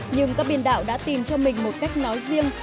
nhưng các biên đạo đã tìm cho mình một cách nói riêng